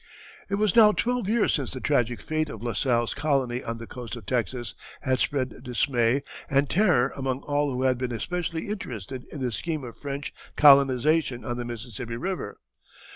It was now twelve years since the tragic fate of La Salle's colony on the coast of Texas had spread dismay and terror among all who had been especially interested in the scheme of French colonization on the Mississippi River.